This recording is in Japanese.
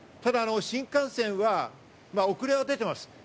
ただ、新幹線は遅れは出ています。